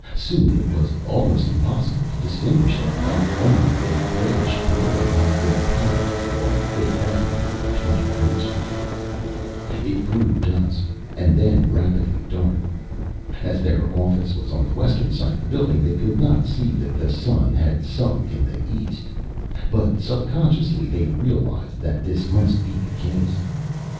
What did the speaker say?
Soon it was almost impossible to distinguish them, and only a grayish blur marked their paths along Fifth Avenue and Twenty Third Street. It grew dusk, and then rapidly dark. As their office was on the western side of the building they could not see that the sun had sunk in the east, but subconsciously they realized that this must be the case.